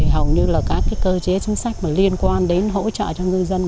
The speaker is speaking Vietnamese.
hầu như các cơ chế chính sách liên quan đến hỗ trợ cho ngư dân